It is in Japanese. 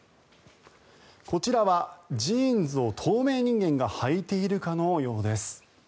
こちらはジーンズを透明人間がはいているかのようです。